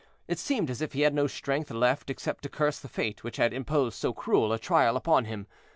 It seemed as if he had no strength left except to curse the fate which had imposed so cruel a trial upon him.